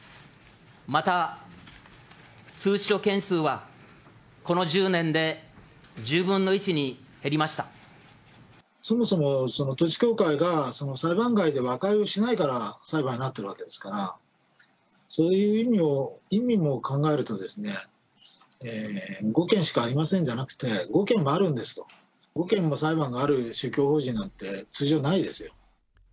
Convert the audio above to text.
また数字と件数はこの１０年で１そもそも、統一教会が裁判外で和解をしないから裁判になっているわけですから、そういう意味も考えると、５件しかありませんじゃなくて、５件もあるんですと、５件の裁判がある宗教法人なんて通常ないですよ。